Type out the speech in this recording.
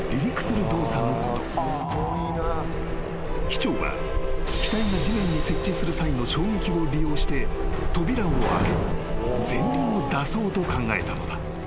［機長は機体が地面に接地する際の衝撃を利用して扉を開け前輪を出そうと考えたのだ］